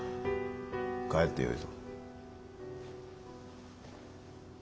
帰ってよいぞ。